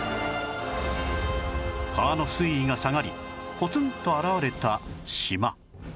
川の水位が下がりポツンと現れた島